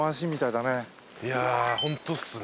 いやホントっすね。